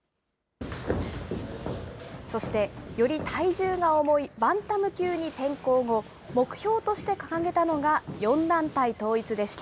そして、より体重が重いバンタム級に転向後、目標として掲げたのが、４団体統一でした。